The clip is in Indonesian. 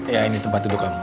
ya ini tempat duduk kami